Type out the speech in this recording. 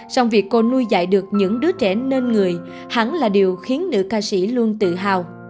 xong việc cô nuôi dạy được những đứa trẻ nên người hắn là điều khiến nữ ca sĩ luôn tự hào